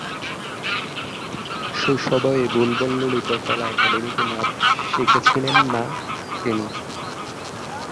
শৈশবেই বুলবুল ললিতকলা একাডেমিতে নাচ শিখেছিলেন শবনম।